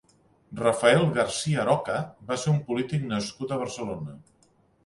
Rafael Garcia Aroca va ser un polític nascut a Barcelona.